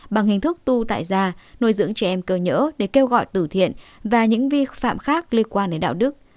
bằng hình thức tu tại da nuôi dưỡng trẻ em cơ nhỡ để kêu gọi tử thiện và những vi phạm khác liên quan đến đạo đức